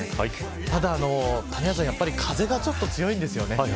ただ谷原さん風がちょっと強いんです。